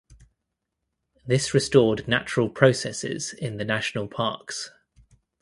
This restored natural processes in the National parks.